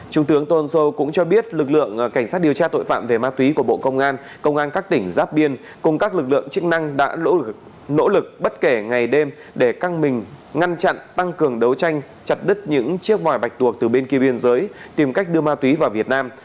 trung tướng tô ân sô cũng cho biết lực lượng cảnh sát điều tra tội phạm về ma túy của bộ công an công an các tỉnh giáp biên cùng các lực lượng chức năng đã nỗ lực bất kể ngày đêm để căng mình ngăn chặn tăng cường đấu tranh chặt đứt những chiếc vòi bạch tuộc từ bên kia biên giới tìm cách đưa ma túy vào việt nam